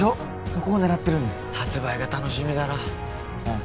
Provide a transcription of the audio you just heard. そこを狙ってるんです発売が楽しみだなあ